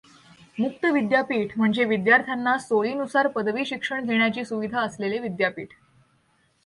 मुक्त विद्यापीठ म्हणजे विद्यार्थ्यांना सोईनुसार पदवी शिक्षण घेण्याची सुविधा असलेले विद्यापीठ.